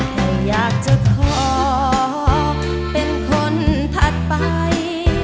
แค่อยากจะขอเป็นคนถัดไป